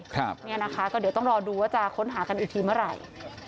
เนี่ยนะคะก็เดี๋ยวต้องรอดูว่าจะค้นหากันอีกทีเมื่อไหร่